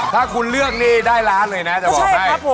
ถ้าคุณเลือกนี่ได้ล้านเลยนะจะบอกให้